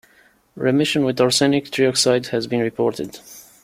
Remission with arsenic trioxide has been reported.